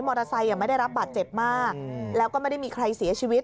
ไม่ได้รับบาดเจ็บมากแล้วก็ไม่ได้มีใครเสียชีวิต